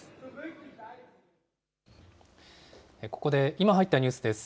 ここで、今入ったニュースです。